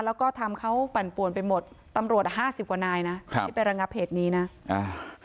แล้วก็ทำเขาปั่นป่วนไปหมดตำรวจห้าสิบกว่านายนะครับที่ไประงับเหตุนี้นะอ่า